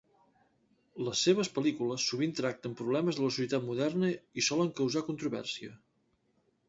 Les seves pel·lícules sovint tracten problemes de la societat moderna, i solen causar controvèrsia.